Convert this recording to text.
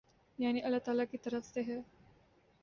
یعنی اﷲ تعالی کی طرف سے ہے۔